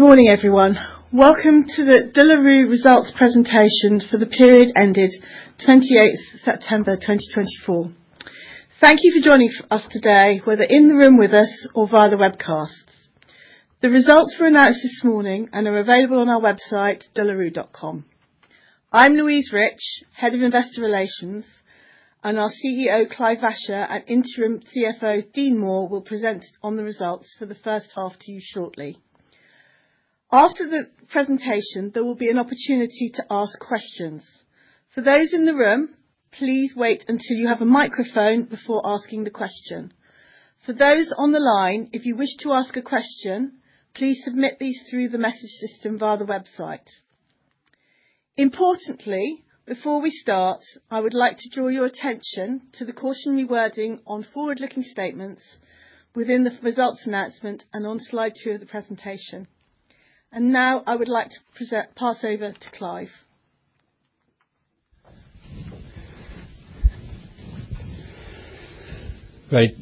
Good morning, everyone. Welcome to the De La Rue Results Presentations for the period ended 28 September 2024. Thank you for joining us today, whether in the room with us or via the webcasts. The results were announced this morning and are available on our website, delarue.com. I'm Louise Rich, Head of Investor Relations, and our CEO, Clive Vacher, and interim CFO, Dean Moore, will present on the results for the first half to you shortly. After the presentation, there will be an opportunity to ask questions. For those in the room, please wait until you have a microphone before asking the question. For those on the line, if you wish to ask a question, please submit these through the message system via the website. Importantly, before we start, I would like to draw your attention to the cautionary wording on forward-looking statements within the results announcement and on slide two of the presentation, and now I would like to pass over to Clive. Great.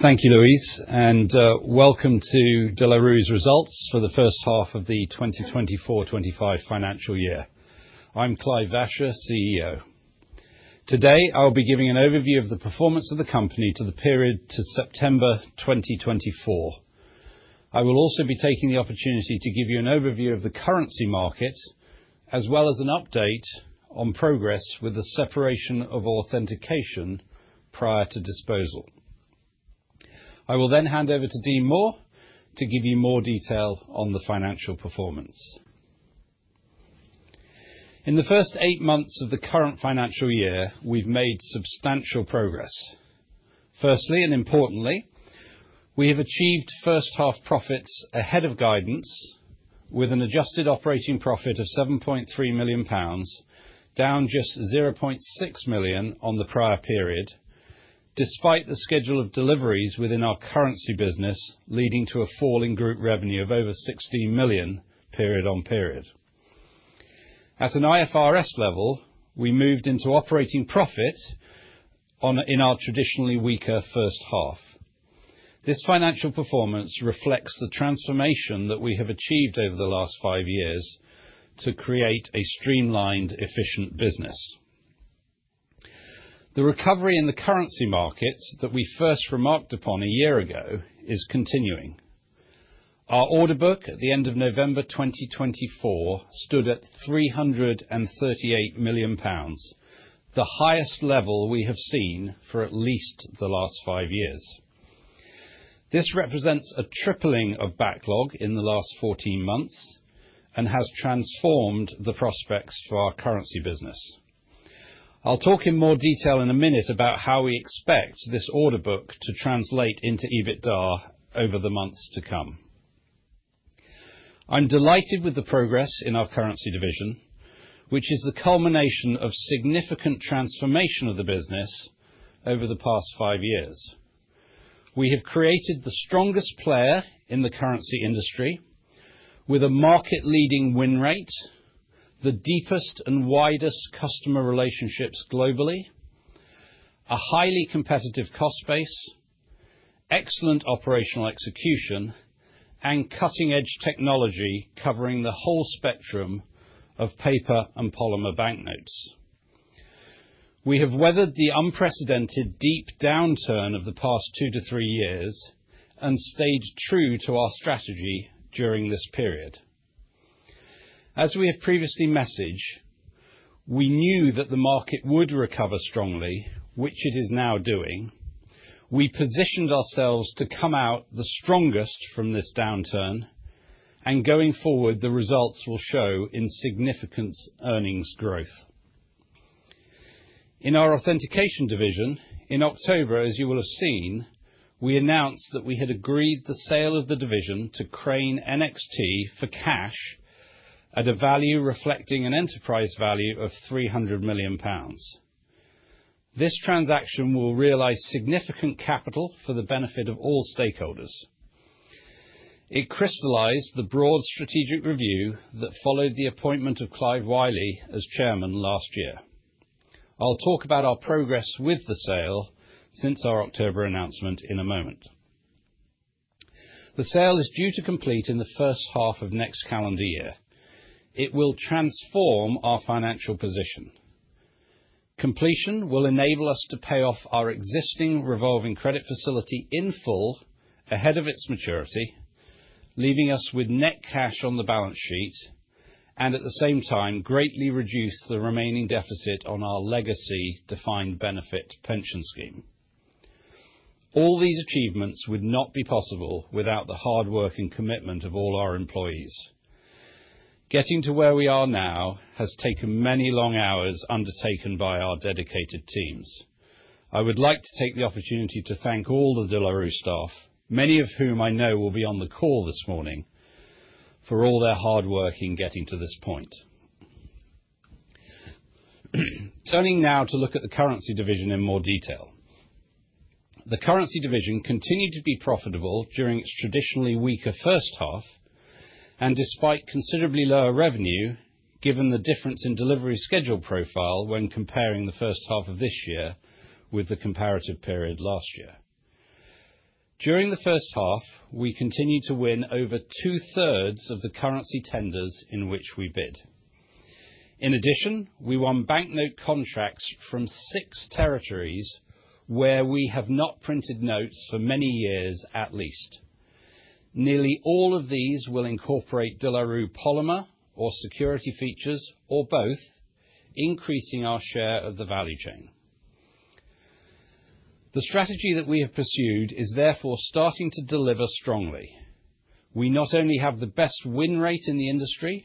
Thank you, Louise, and welcome to De La Rue's results for the first half of the 2024 to 2025 financial year. I'm Clive Vacher, CEO. Today, I'll be giving an overview of the performance of the company for the period to September 2024. I will also be taking the opportunity to give you an overview of the currency market, as well as an update on progress with the separation of authentication prior to disposal. I will then hand over to Dean Moore to give you more detail on the financial performance. In the first eight months of the current financial year, we've made substantial progress. Firstly, and importantly, we have achieved first-half profits ahead of guidance, with an adjusted operating profit of 7.3 million pounds, down just 0.6 million on the prior period, despite the schedule of deliveries within our currency business leading to a fall in group revenue of over 16 million period on period. At an IFRS level, we moved into operating profit in our traditionally weaker first half. This financial performance reflects the transformation that we have achieved over the last five years to create a streamlined, efficient business. The recovery in the currency market that we first remarked upon a year ago is continuing. Our order book at the end of November 2024 stood at 338 million pounds, the highest level we have seen for at least the last five years. This represents a tripling of backlog in the last 14 months and has transformed the prospects for our currency business. I'll talk in more detail in a minute about how we expect this order book to translate into EBITDA over the months to come. I'm delighted with the progress in our currency division, which is the culmination of significant transformation of the business over the past five years. We have created the strongest player in the currency industry, with a market-leading win rate, the deepest and widest customer relationships globally, a highly competitive cost base, excellent operational execution, and cutting-edge technology covering the whole spectrum of paper and polymer banknotes. We have weathered the unprecedented deep downturn of the past two to three years and stayed true to our strategy during this period. As we have previously messaged, we knew that the market would recover strongly, which it is now doing. We positioned ourselves to come out the strongest from this downturn, and going forward, the results will show in significant earnings growth. In our authentication division, in October, as you will have seen, we announced that we had agreed the sale of the division to Crane NXT for cash at a value reflecting an enterprise value of 300 million pounds. This transaction will realize significant capital for the benefit of all stakeholders. It crystallized the broad strategic review that followed the appointment of Clive Whiley as chairman last year. I'll talk about our progress with the sale since our October announcement in a moment. The sale is due to complete in the first half of next calendar year. It will transform our financial position. Completion will enable us to pay off our existing revolving credit facility in full ahead of its maturity, leaving us with net cash on the balance sheet, and at the same time, greatly reduce the remaining deficit on our legacy defined benefit pension scheme. All these achievements would not be possible without the hard work and commitment of all our employees. Getting to where we are now has taken many long hours undertaken by our dedicated teams. I would like to take the opportunity to thank all the De La Rue staff, many of whom I know will be on the call this morning, for all their hard work in getting to this point. Turning now to look at the currency division in more detail. The currency division continued to be profitable during its traditionally weaker first half, and despite considerably lower revenue, given the difference in delivery schedule profile when comparing the first half of this year with the comparative period last year. During the first half, we continued to win over two-thirds of the currency tenders in which we bid. In addition, we won banknote contracts from six territories where we have not printed notes for many years at least. Nearly all of these will incorporate De La Rue polymer or security features or both, increasing our share of the value chain. The strategy that we have pursued is therefore starting to deliver strongly. We not only have the best win rate in the industry,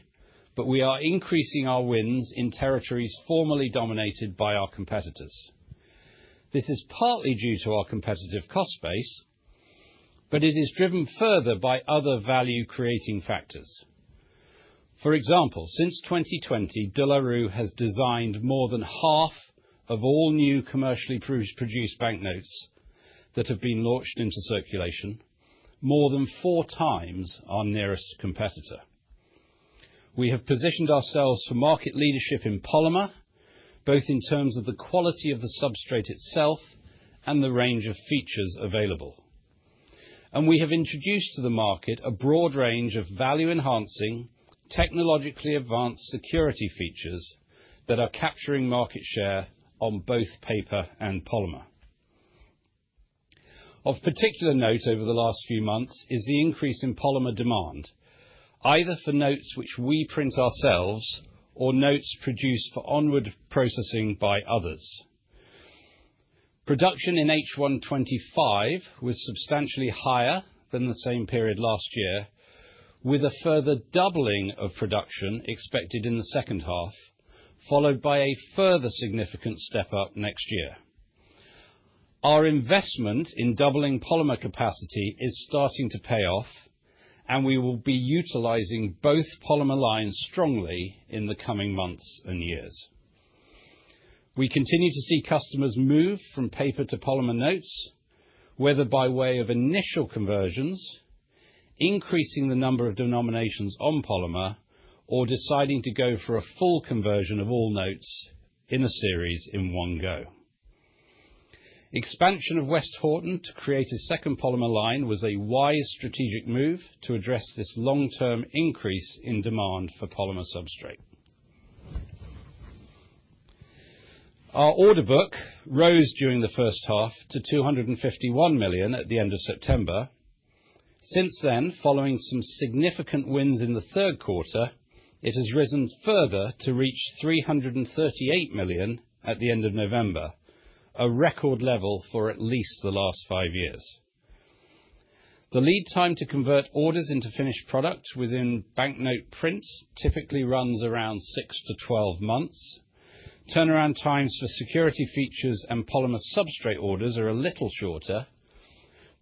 but we are increasing our wins in territories formerly dominated by our competitors. This is partly due to our competitive cost base, but it is driven further by other value-creating factors. For example, since 2020, De La Rue has designed more than half of all new commercially produced banknotes that have been launched into circulation, more than four times our nearest competitor. We have positioned ourselves for market leadership in polymer, both in terms of the quality of the substrate itself and the range of features available. And we have introduced to the market a broad range of value-enhancing, technologically advanced security features that are capturing market share on both paper and polymer. Of particular note over the last few months is the increase in polymer demand, either for notes which we print ourselves or notes produced for onward processing by others. Production in H1 2025 was substantially higher than the same period last year, with a further doubling of production expected in the second half, followed by a further significant step up next year. Our investment in doubling polymer capacity is starting to pay off, and we will be utilizing both polymer lines strongly in the coming months and years. We continue to see customers move from paper to polymer notes, whether by way of initial conversions, increasing the number of denominations on polymer, or deciding to go for a full conversion of all notes in a series in one go. Expansion of Westhoughton to create a second polymer line was a wise strategic move to address this long-term increase in demand for polymer substrate. Our order book rose during the first half to 251 million at the end of September. Since then, following some significant wins in the third quarter, it has risen further to reach 338 million at the end of November, a record level for at least the last five years. The lead time to convert orders into finished product within banknote print typically runs around six to 12 months. Turnaround times for security features and polymer substrate orders are a little shorter,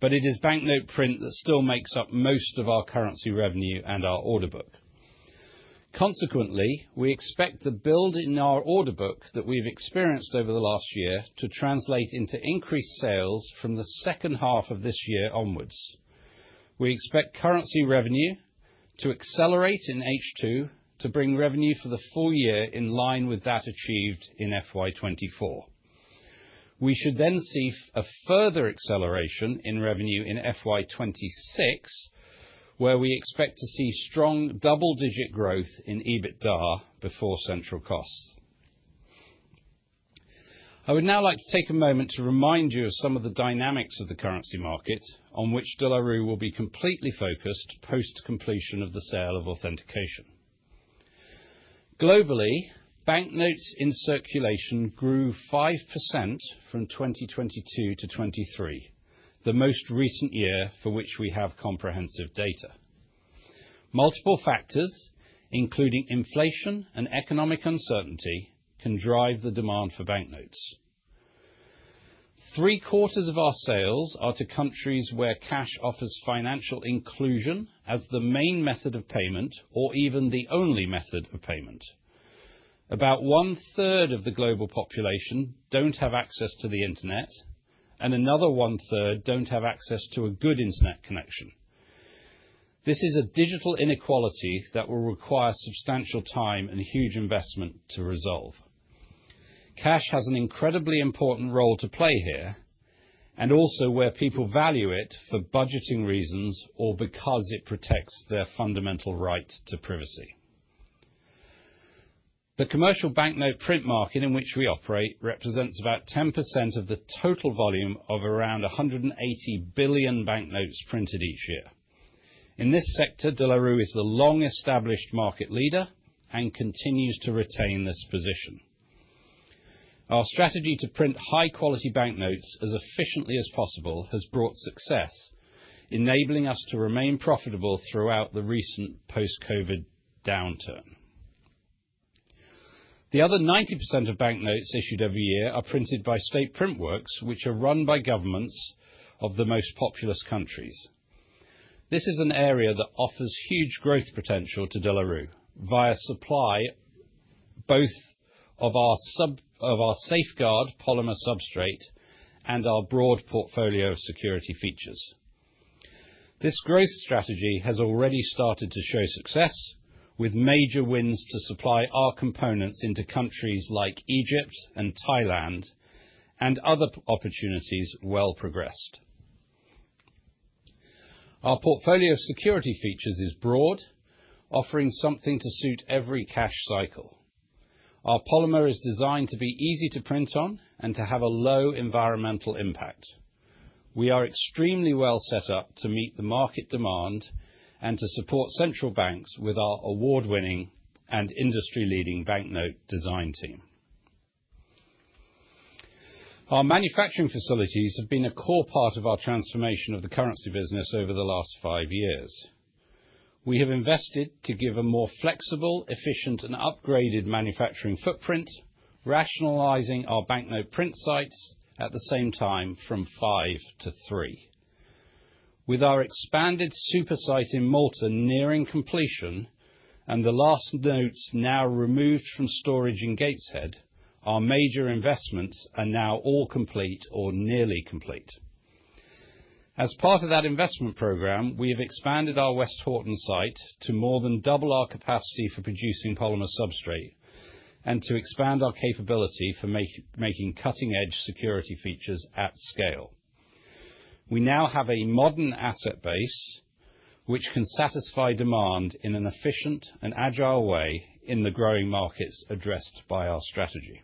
but it is banknote print that still makes up most of our currency revenue and our order book. Consequently, we expect the build in our order book that we've experienced over the last year to translate into increased sales from the second half of this year onwards. We expect currency revenue to accelerate in H2 to bring revenue for the full year in line with that achieved in FY 2024. We should then see a further acceleration in revenue in FY 2026, where we expect to see strong double-digit growth in EBITDA before central costs. I would now like to take a moment to remind you of some of the dynamics of the currency market on which De La Rue will be completely focused post-completion of the sale of authentication. Globally, banknotes in circulation grew 5% from 2022 to 2023, the most recent year for which we have comprehensive data. Multiple factors, including inflation and economic uncertainty, can drive the demand for banknotes. Three-quarters of our sales are to countries where cash offers financial inclusion as the main method of payment or even the only method of payment. About one-third of the global population don't have access to the internet, and another one-third don't have access to a good internet connection. This is a digital inequality that will require substantial time and huge investment to resolve. Cash has an incredibly important role to play here, and also where people value it for budgeting reasons or because it protects their fundamental right to privacy. The commercial banknote print market in which we operate represents about 10% of the total volume of around 180 billion banknotes printed each year. In this sector, De La Rue is the long-established market leader and continues to retain this position. Our strategy to print high-quality banknotes as efficiently as possible has brought success, enabling us to remain profitable throughout the recent post-COVID downturn. The other 90% of banknotes issued every year are printed by state print works, which are run by governments of the most populous countries. This is an area that offers huge growth potential to De La Rue via supply both of our Safeguard polymer substrate and our broad portfolio of security features. This growth strategy has already started to show success, with major wins to supply our components into countries like Egypt and Thailand and other opportunities well progressed. Our portfolio of security features is broad, offering something to suit every cash cycle. Our polymer is designed to be easy to print on and to have a low environmental impact. We are extremely well set up to meet the market demand and to support central banks with our award-winning and industry-leading banknote design team. Our manufacturing facilities have been a core part of our transformation of the currency business over the last five years. We have invested to give a more flexible, efficient, and upgraded manufacturing footprint, rationalizing our banknote print sites at the same time from five to three. With our expanded super site in Malta nearing completion and the last notes now removed from storage in Gateshead, our major investments are now all complete or nearly complete. As part of that investment program, we have expanded our Westhoughton site to more than double our capacity for producing polymer substrate and to expand our capability for making cutting-edge security features at scale. We now have a modern asset base which can satisfy demand in an efficient and agile way in the growing markets addressed by our strategy.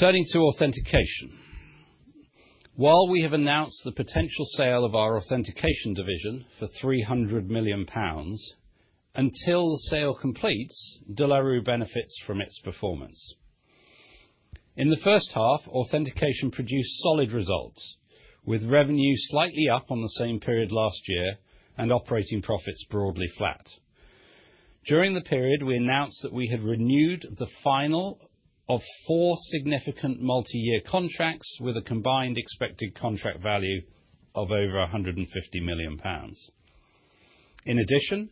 Turning to authentication. While we have announced the potential sale of our authentication division for 300 million pounds, until the sale completes, De La Rue benefits from its performance. In the first half, authentication produced solid results, with revenue slightly up on the same period last year and operating profits broadly flat. During the period, we announced that we had renewed the final of four significant multi-year contracts with a combined expected contract value of over 150 million pounds. In addition,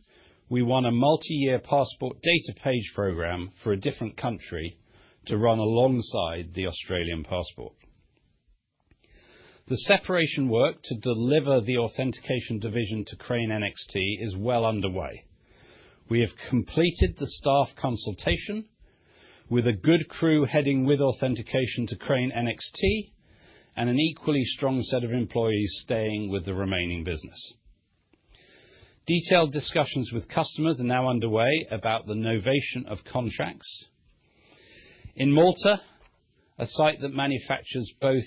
we won a multi-year passport data page program for a different country to run alongside the Australian passport. The separation work to deliver the authentication division to Crane NXT is well underway. We have completed the staff consultation with a good crew heading with authentication to Crane NXT and an equally strong set of employees staying with the remaining business. Detailed discussions with customers are now underway about the novation of contracts. In Malta, a site that manufactures both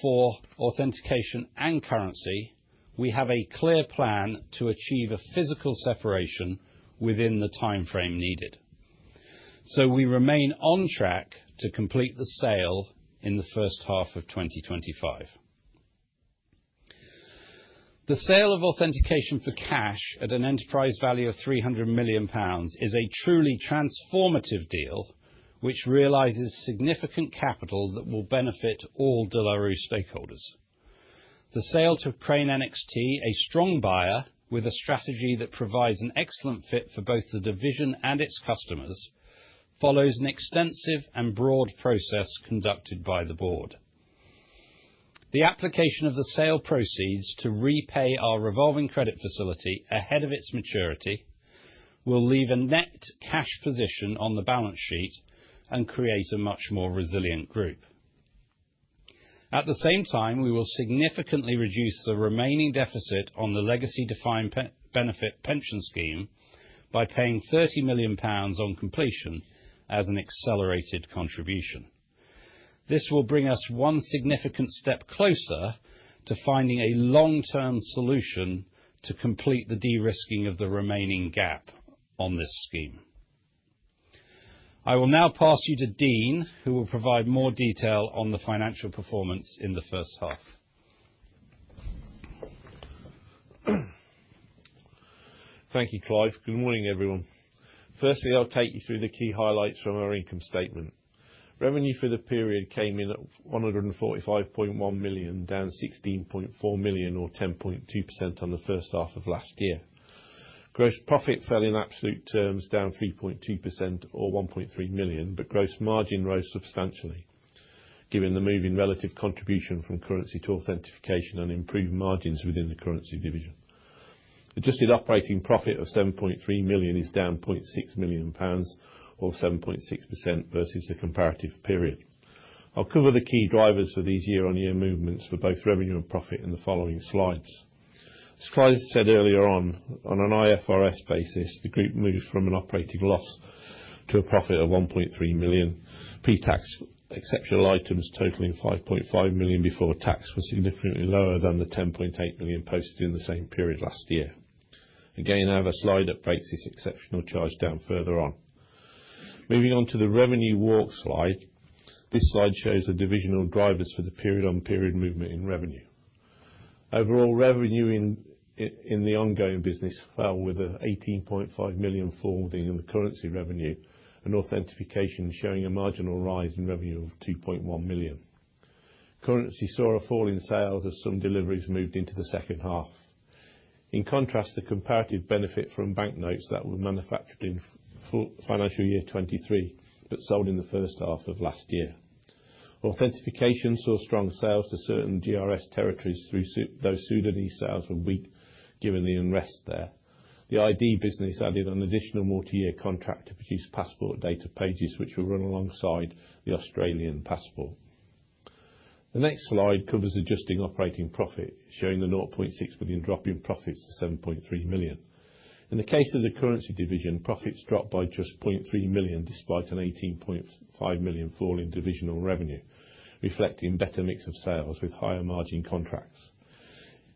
for authentication and currency, we have a clear plan to achieve a physical separation within the timeframe needed. So we remain on track to complete the sale in the first half of 2025. The sale of authentication for cash at an enterprise value of 300 million pounds is a truly transformative deal which realizes significant capital that will benefit all De La Rue stakeholders. The sale to Crane NXT, a strong buyer with a strategy that provides an excellent fit for both the division and its customers, follows an extensive and broad process conducted by the board. The application of the sale proceeds to repay our revolving credit facility ahead of its maturity will leave a net cash position on the balance sheet and create a much more resilient group. At the same time, we will significantly reduce the remaining deficit on the legacy defined benefit pension scheme by paying 30 million pounds on completion as an accelerated contribution. This will bring us one significant step closer to finding a long-term solution to complete the de-risking of the remaining gap on this scheme. I will now pass you to Dean, who will provide more detail on the financial performance in the first half. Thank you, Clive. Good morning, everyone. Firstly, I'll take you through the key highlights from our income statement. Revenue for the period came in at 145.1 million, down 16.4 million, or 10.2% on the first half of last year. Gross profit fell in absolute terms, down 3.2%, or 1.3 million, but gross margin rose substantially, given the move in relative contribution from currency to authentication and improved margins within the currency division. Adjusted operating profit of 7.3 million is down 0.6 million pounds, or 7.6%, versus the comparative period. I'll cover the key drivers for these year-on-year movements for both revenue and profit in the following slides. As Clive said earlier on, on an IFRS basis, the group moved from an operating loss to a profit of 1.3 million. Pre-tax exceptional items totaling 5.5 million before tax were significantly lower than the 10.8 million posted in the same period last year. Again, I have a slide that breaks this exceptional charge down further on. Moving on to the revenue walk slide, this slide shows the divisional drivers for the period-on-period movement in revenue. Overall revenue in the ongoing business fell with a 18.5 million fall within the currency revenue, and authentication showing a marginal rise in revenue of 2.1 million. Currency saw a fall in sales as some deliveries moved into the second half. In contrast, the comparative benefit from banknotes that were manufactured in financial year 2023 but sold in the first half of last year. Authentication saw strong sales to certain GRS territories, though Sudanese sales were weak given the unrest there. The ID business added an additional multi-year contract to produce passport data pages which will run alongside the Australian passport. The next slide covers adjusted operating profit, showing the 0.6 million drop in profits to 7.3 million. In the case of the currency division, profits dropped by just 0.3 million despite an 18.5 million fall in divisional revenue, reflecting better mix of sales with higher margin contracts.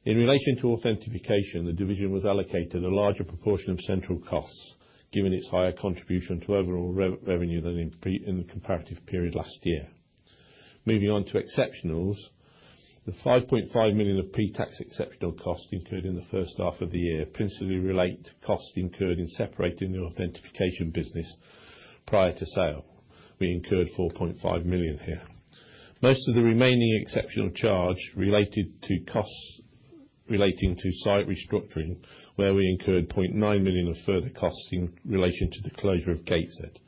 In relation to authentication, the division was allocated a larger proportion of central costs given its higher contribution to overall revenue than in the comparative period last year. Moving on to exceptionals, the 5.5 million of pre-tax exceptional costs incurred in the first half of the year principally relate to costs incurred in separating the authentication business prior to sale. We incurred 4.5 million here. Most of the remaining exceptional charge related to costs relating to site restructuring, where we incurred 0.9 million of further costs in relation to the closure of Gateshead.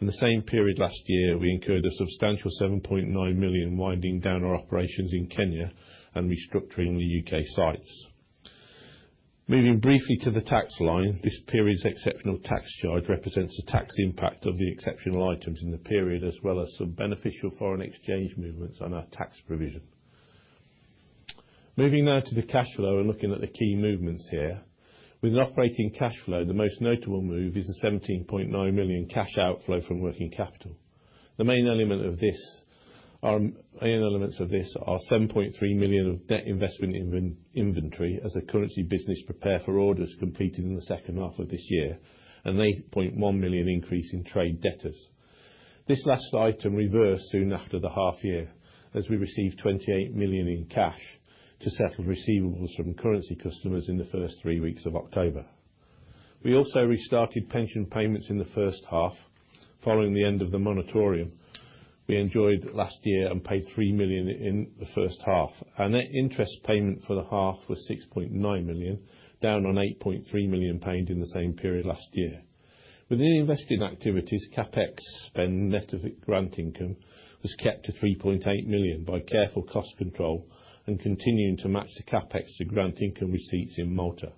In the same period last year, we incurred a substantial 7.9 million winding down our operations in Kenya and restructuring the UK sites. Moving briefly to the tax line, this period's exceptional tax charge represents the tax impact of the exceptional items in the period as well as some beneficial foreign exchange movements on our tax provision. Moving now to the cash flow and looking at the key movements here. With an operating cash flow, the most notable move is the 17.9 million cash outflow from working capital. The main elements of this are 7.3 million of net investment in inventory as the currency business prepared for orders completed in the second half of this year and an 8.1 million increase in trade debtors. This last item reversed soon after the half year as we received 28 million in cash to settle receivables from currency customers in the first three weeks of October. We also restarted pension payments in the first half following the end of the moratorium we enjoyed last year and paid 3 million in the first half. Our net interest payment for the half was 6.9 million, down on 8.3 million paid in the same period last year. Within investing activities, CapEx spend, net of grant income, was kept to 3.8 million by careful cost control and continuing to match the CapEx to grant income receipts in Malta.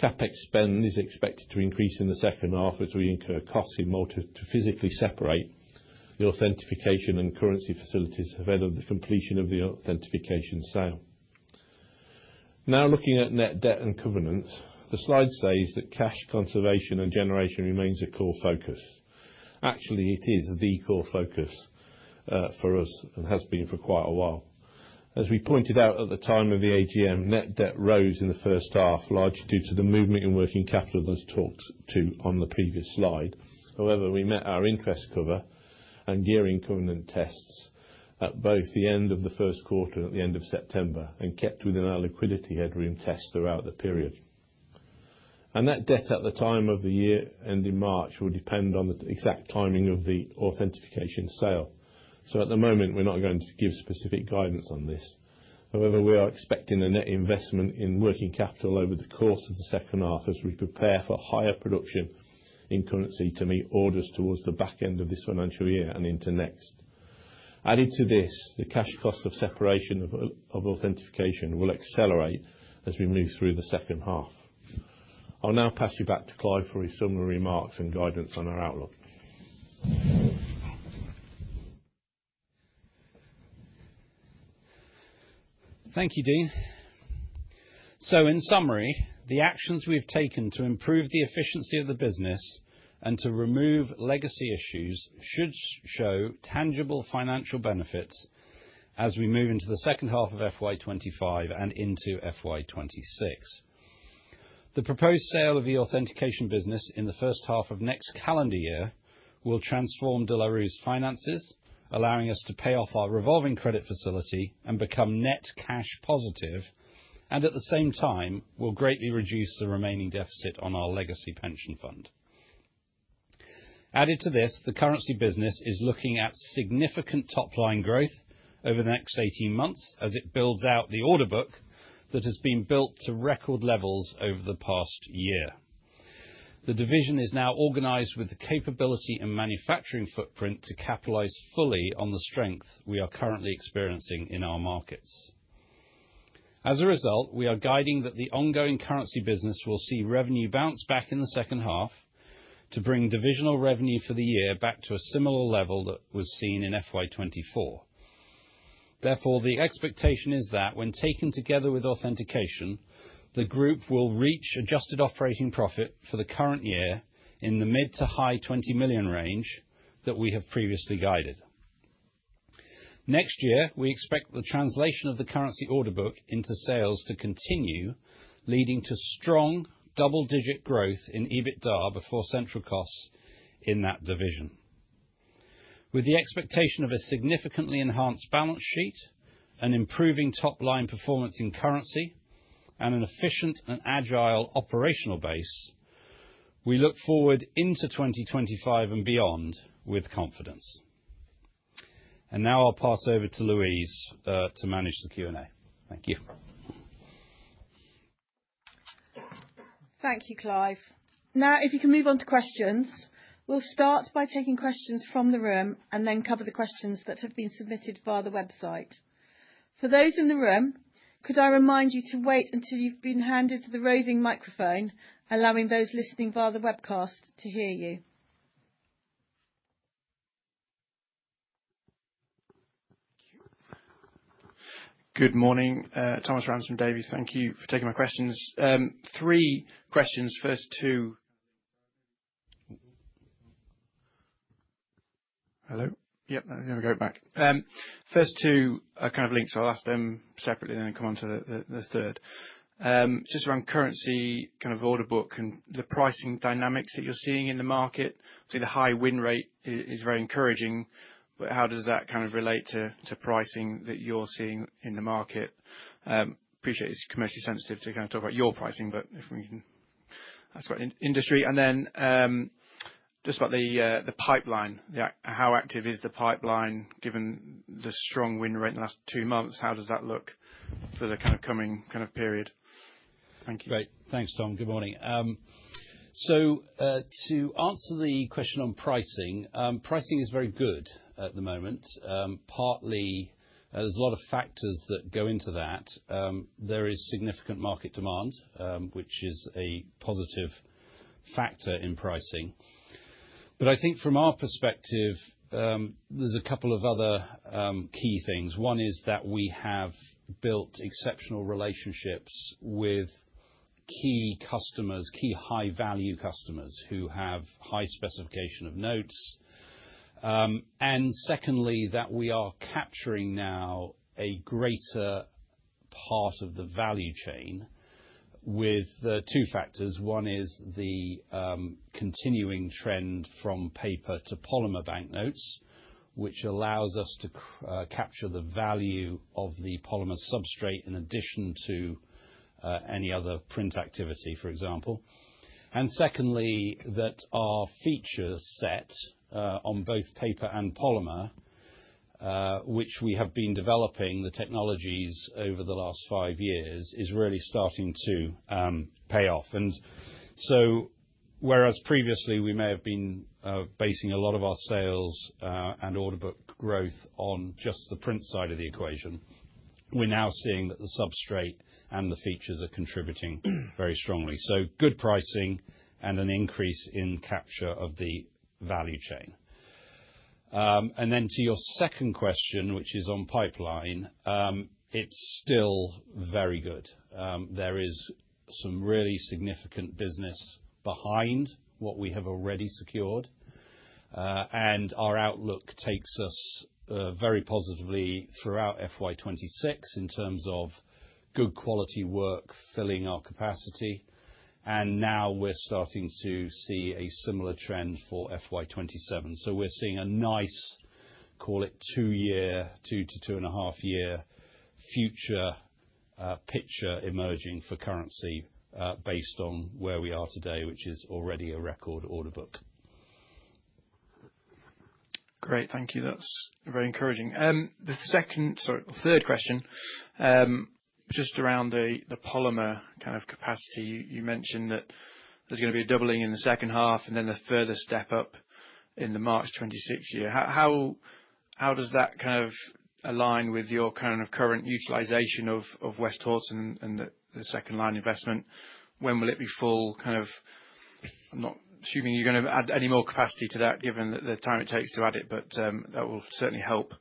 CapEx spend is expected to increase in the second half as we incur costs in Malta to physically separate the authentication and currency facilities ahead of the completion of the authentication sale. Now looking at net debt and covenants, the slide says that cash conservation and generation remains a core focus. Actually, it is the core focus for us and has been for quite a while. As we pointed out at the time of the AGM, net debt rose in the first half, largely due to the movement in working capital that was talked to on the previous slide. However, we met our interest cover and year-end covenant tests at both the end of the first quarter and at the end of September and kept within our liquidity headroom tests throughout the period. That debt at the time of the year ending March will depend on the exact timing of the authentication sale. So at the moment, we're not going to give specific guidance on this. However, we are expecting a net investment in working capital over the course of the second half as we prepare for higher production in currency to meet orders towards the back end of this financial year and into next. Added to this, the cash cost of separation of authentication will accelerate as we move through the second half. I'll now pass you back to Clive for his summary remarks and guidance on our outlook. Thank you, Dean. In summary, the actions we've taken to improve the efficiency of the business and to remove legacy issues should show tangible financial benefits as we move into the second half of FY 2025 and into FY 2026. The proposed sale of the authentication business in the first half of next calendar year will transform De La Rue's finances, allowing us to pay off our revolving credit facility and become net cash positive, and at the same time, will greatly reduce the remaining deficit on our legacy pension fund. Added to this, the currency business is looking at significant top-line growth over the next 18 months as it builds out the order book that has been built to record levels over the past year. The division is now organized with the capability and manufacturing footprint to capitalize fully on the strength we are currently experiencing in our markets. As a result, we are guiding that the ongoing currency business will see revenue bounce back in the second half to bring divisional revenue for the year back to a similar level that was seen in FY 2024. Therefore, the expectation is that when taken together with authentication, the group will reach adjusted operating profit for the current year in the mid- to high-GBP 20 million range that we have previously guided. Next year, we expect the translation of the currency order book into sales to continue, leading to strong double-digit growth in EBITDA before central costs in that division. With the expectation of a significantly enhanced balance sheet, an improving top-line performance in currency, and an efficient and agile operational base, we look forward into 2025 and beyond with confidence, and now I'll pass over to Louise to manage the Q&A. Thank you. Thank you, Clive. Now, if you can move on to questions, we'll start by taking questions from the room and then cover the questions that have been submitted via the website. For those in the room, could I remind you to wait until you've been handed the roving microphone, allowing those listening via the webcast to hear you? Good morning, Thomas Ransom, Davy, thank you for taking my questions. Three questions, first two. Hello? Yep, there we go, back. First two are kind of linked, so I'll ask them separately and then come on to the third. Just around currency, kind of order book and the pricing dynamics that you're seeing in the market. Obviously, the high win rate is very encouraging, but how does that kind of relate to pricing that you're seeing in the market? Appreciate it's commercially sensitive to kind of talk about your pricing, but if we can that's about the industry. And then just about the pipeline, how active is the pipeline given the strong win rate in the last two months? How does that look for the kind of coming kind of period? Thank you. Great. Thanks, Tom. Good morning. So to answer the question on pricing, pricing is very good at the moment. Partly, there's a lot of factors that go into that. There is significant market demand, which is a positive factor in pricing. But I think from our perspective, there's a couple of other key things. One is that we have built exceptional relationships with key customers, key high-value customers who have high specification of notes. And secondly, that we are capturing now a greater part of the value chain with two factors. One is the continuing trend from paper to polymer banknotes, which allows us to capture the value of the polymer substrate in addition to any other print activity, for example. And secondly, that our feature set on both paper and polymer, which we have been developing the technologies over the last five years, is really starting to pay off. And so whereas previously we may have been basing a lot of our sales and order book growth on just the print side of the equation, we're now seeing that the substrate and the features are contributing very strongly. So good pricing and an increase in capture of the value chain. And then to your second question, which is on pipeline, it's still very good. There is some really significant business behind what we have already secured. And our outlook takes us very positively throughout FY 2026 in terms of good quality work filling our capacity. And now we're starting to see a similar trend for FY 2027. So we're seeing a nice, call it two-year, two to two-and-a-half-year future picture emerging for currency based on where we are today, which is already a record order book. Great. Thank you. That's very encouraging. The second, sorry, third question, just around the polymer kind of capacity, you mentioned that there's going to be a doubling in the second half and then a further step up in the March 2026 year. How does that kind of align with your kind of current utilization of Westhoughton and the second-line investment? When will it be full? Kind of I'm not assuming you're going to add any more capacity to that given the time it takes to add it, but that will certainly help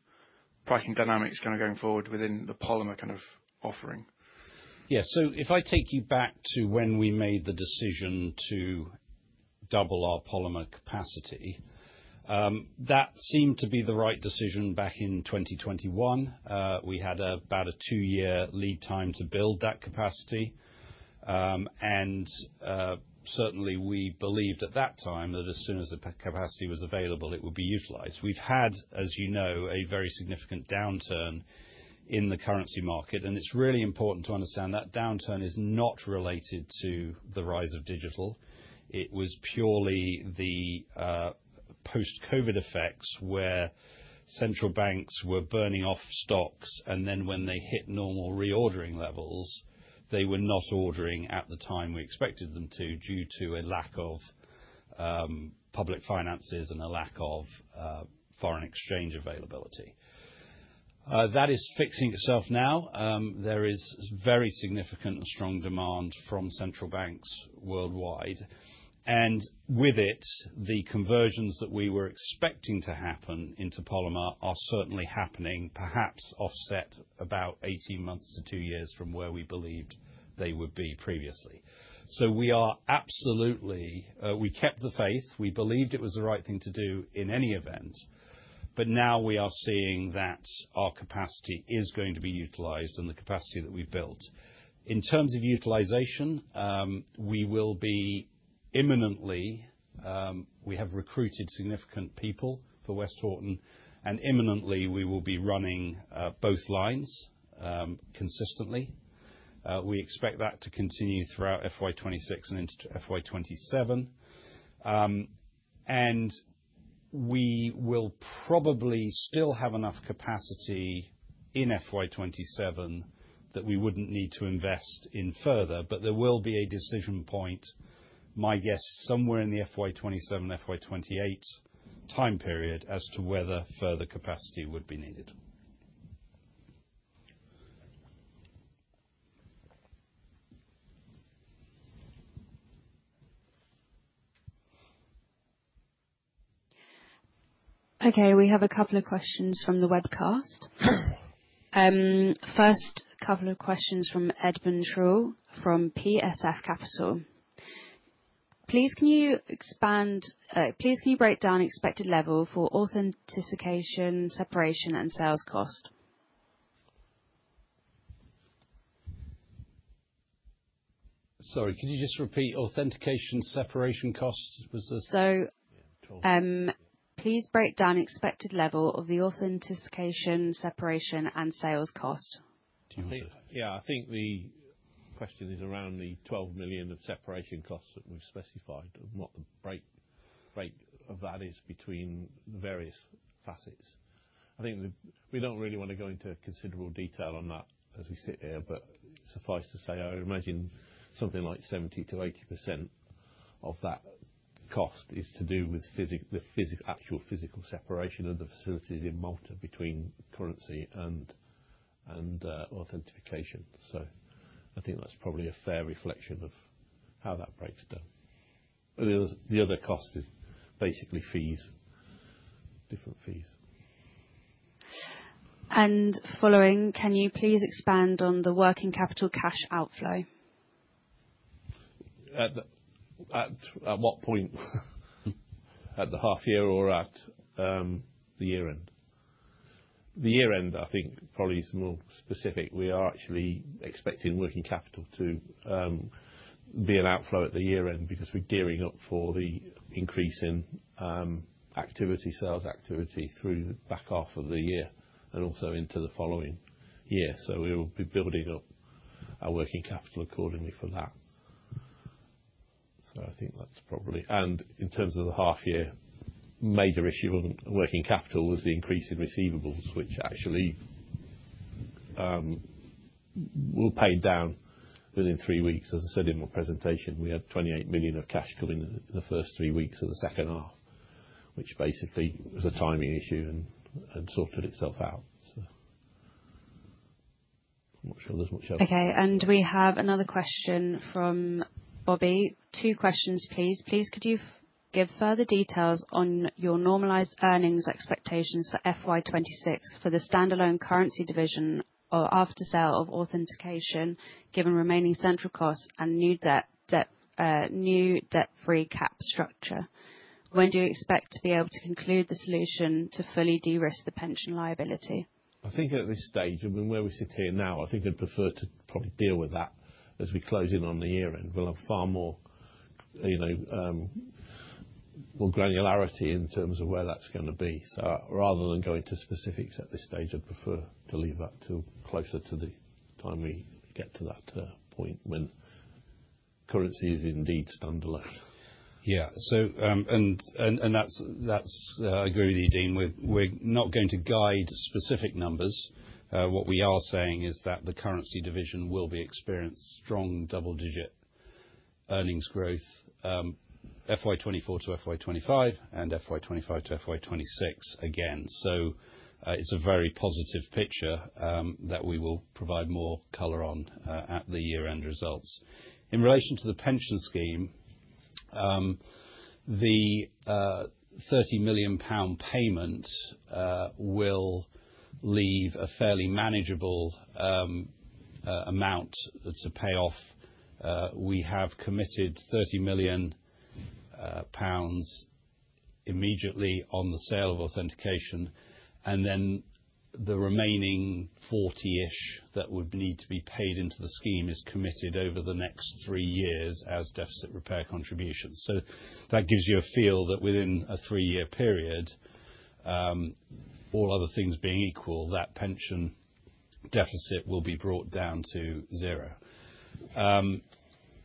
pricing dynamics kind of going forward within the polymer kind of offering. Yeah. So if I take you back to when we made the decision to double our polymer capacity, that seemed to be the right decision back in 2021. We had about a two-year lead time to build that capacity. And certainly, we believed at that time that as soon as the capacity was available, it would be utilized. We've had, as you know, a very significant downturn in the currency market. And it's really important to understand that downturn is not related to the rise of digital. It was purely the post-COVID effects where central banks were burning off stocks. And then when they hit normal reordering levels, they were not ordering at the time we expected them to due to a lack of public finances and a lack of foreign exchange availability. That is fixing itself now. There is very significant and strong demand from central banks worldwide. With it, the conversions that we were expecting to happen into polymer are certainly happening, perhaps offset about 18 months to two years from where we believed they would be previously. We are absolutely kept the faith. We believed it was the right thing to do in any event. But now we are seeing that our capacity is going to be utilized and the capacity that we've built. In terms of utilization, we have recruited significant people for Westhoughton. And imminently, we will be running both lines consistently. We expect that to continue throughout FY 2026 and into FY 2027. And we will probably still have enough capacity in FY 2027 that we wouldn't need to invest in further. But there will be a decision point, my guess, somewhere in the FY 2027, FY 2028 time period as to whether further capacity would be needed. Okay. We have a couple of questions from the webcast. First couple of questions from Edmund Truell from PSF Capital. Please can you expand please can you break down expected level for authentication, separation, and sales cost? Sorry, can you just repeat? Authentication, separation cost was. So please break down expected level of the authentication, separation, and sales cost. Yeah. I think the question is around the 12 million of separation costs that we've specified and what the break of that is between the various facets. I think we don't really want to go into considerable detail on that as we sit here, but suffice to say, I would imagine something like 70% to 80% of that cost is to do with the actual physical separation of the facilities in Malta between currency and authentication. So I think that's probably a fair reflection of how that breaks down. The other cost is basically fees, different fees. And following, can you please expand on the working capital cash outflow? At what point? At the half year or at the year-end? The year-end, I think, probably is more specific. We are actually expecting working capital to be an outflow at the year-end because we're gearing up for the increase in activity, sales activity through the back half of the year and also into the following year. So we will be building up our working capital accordingly for that. So I think that's probably and in terms of the half-year, major issue on working capital was the increase in receivables, which actually will pay down within three weeks. As I said in my presentation, we had 28 million of cash come in the first three weeks of the second half, which basically was a timing issue and sorted itself out. I'm not sure there's much else. Okay. We have another question from Bobby. Two questions, please. Please could you give further details on your normalized earnings expectations for FY 2026 for the standalone currency division or after-sale of authentication, given remaining central costs and new debt-free cap structure? When do you expect to be able to conclude the solution to fully de-risk the pension liability? I think at this stage, I mean, where we sit here now, I think I'd prefer to probably deal with that as we close in on the year-end. We'll have far more granularity in terms of where that's going to be. Rather than going to specifics at this stage, I'd prefer to leave that till closer to the time we get to that point when currency is indeed standalone. Yeah. I agree with you, Dean. We're not going to guide specific numbers. What we are saying is that the currency division will experience strong double-digit earnings growth, FY 2024 to FY 2025 and FY 2025 to FY 2026 again. So it's a very positive picture that we will provide more color on at the year-end results. In relation to the pension scheme, the GBP 30 million payment will leave a fairly manageable amount to pay off. We have committed 30 million pounds immediately on the sale of authentication. And then the remaining 40-ish that would need to be paid into the scheme is committed over the next three years as deficit repair contributions. So that gives you a feel that within a three-year period, all other things being equal, that pension deficit will be brought down to zero.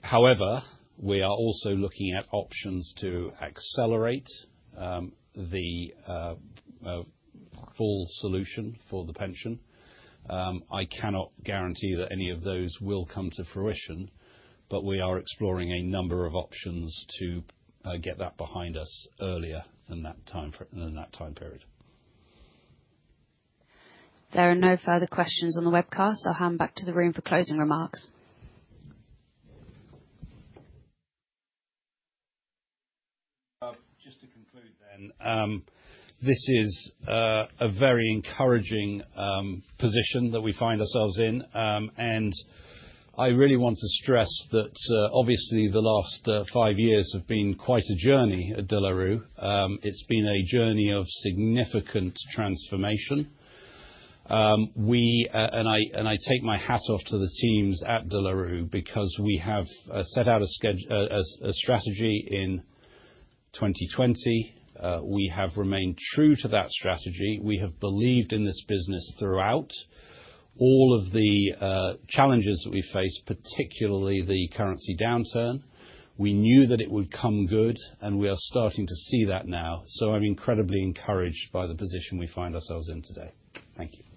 However, we are also looking at options to accelerate the full solution for the pension. I cannot guarantee that any of those will come to fruition, but we are exploring a number of options to get that behind us earlier than that time period. There are no further questions on the webcast. I'll hand back to the room for closing remarks. Just to conclude then, this is a very encouraging position that we find ourselves in, and I really want to stress that obviously the last five years have been quite a journey at De La Rue. It's been a journey of significant transformation, and I take my hat off to the teams at De La Rue because we have set out a strategy in 2020. We have remained true to that strategy. We have believed in this business throughout. All of the challenges that we face, particularly the currency downturn, we knew that it would come good, and we are starting to see that now. So I'm incredibly encouraged by the position we find ourselves in today. Thank you.